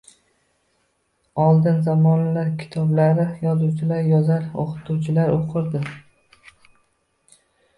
Oldingi zamonlarda kitoblarni yozuvchilar yozar, oʻquvchilar oʻqirdi